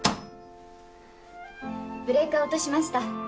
ブレーカー落としました。